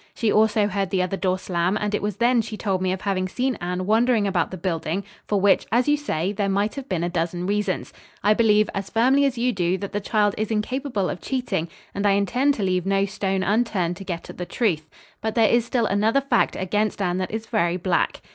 She also heard the other door slam and it was then she told me of having seen Anne wandering about the building for which, as you say, there might have been a dozen reasons; I believe, as firmly as you do, that the child is incapable of cheating, and I intend to leave no stone unturned to get at the truth. But there is still another fact against Anne that is very black."